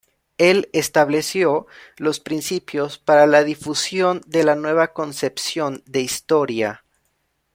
El estableció los principios para la difusión de la nueva concepción de historia.